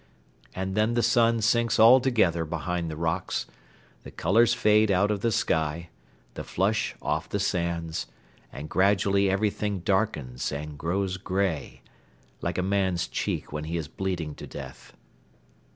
And then the sun sinks altogether behind the rocks, the colors fade out of the sky, the flush off the sands, and gradually everything darkens and grows grey like a man's cheek when he is bleeding to death.